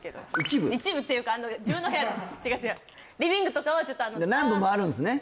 一部っていうか自分の部屋違う違うリビングとかはちょっと何個もあるんですね